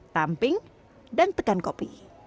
tumping dan tekan kopi